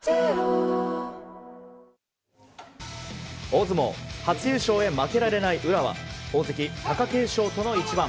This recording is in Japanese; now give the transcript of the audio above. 大相撲、初優勝へ負けられない宇良は大関・貴景勝との一番。